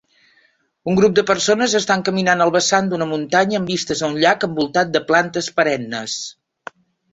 Un grup de persones estan caminant al vessant d'una muntanya amb vistes a un llac envoltat de plantes perennes.